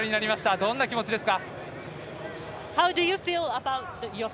どんな気持ちですか？